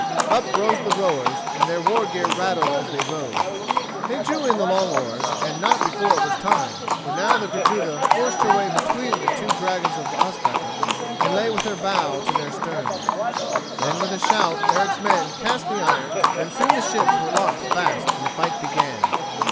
Up rose the rowers, and their war gear rattled as they rose. They drew in the long oars, and not before it was time, for now the Gudruda forced her way between the two dragons of Ospakar and lay with her bow to their sterns. Then with a shout Eric's men cast the irons and soon the ships were locked fast and the fight began.